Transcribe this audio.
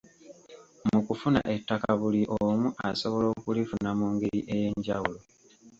Mu kufuna ettaka buli omu asobola okulifuna mu ngeri ey’enjawulo.